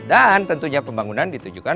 dan tentunya pembangunan ditujukan